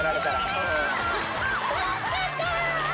楽しかった！